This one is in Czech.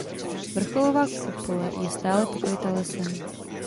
Vrcholová kupole je stále pokryta lesem.